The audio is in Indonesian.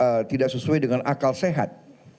yang tidak sesuai dengan akal sehat